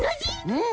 うん？